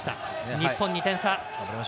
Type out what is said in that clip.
日本、２点差。